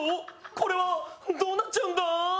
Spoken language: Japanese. これはどうなっちゃうんだ！？